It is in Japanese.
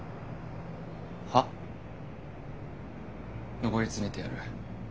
上り詰めてやる。